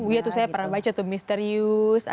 iya tuh saya pernah baca tuh misterius